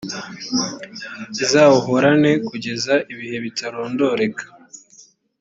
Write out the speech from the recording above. izawuhorana kugeza ibihe bitarondoreka